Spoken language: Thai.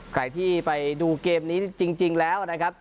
ใครที่ไปดูเกมนี้จริงแล้วนะครับ